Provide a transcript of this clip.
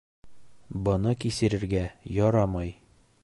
Быны кисерергә ярамай.